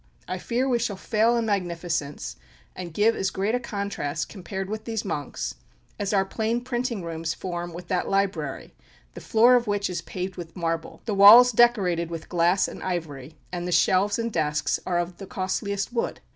I fear we shall fail in magnificence, and give as great a contrast compared with these monks, as our plain printing rooms form with that library, the floor of which is paved with marble, the walls decorated with glass and ivory, and the shelves and desks are of the costliest wood."